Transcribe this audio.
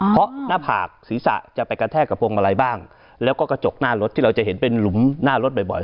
เพราะหน้าผากศีรษะจะไปกระแทกกับพวงมาลัยบ้างแล้วก็กระจกหน้ารถที่เราจะเห็นเป็นหลุมหน้ารถบ่อย